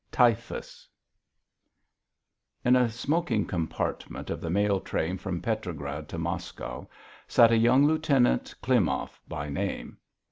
TYPHUS In a smoking compartment of the mail train from Petrograd to Moscow sat a young lieutenant, Klimov by name.